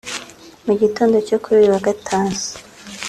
Mu gitondo cyo kuri uyu wa gatanu